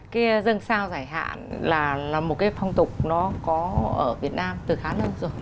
cái dân sao giải hạn là một cái phong tục nó có ở việt nam từ khá lâu rồi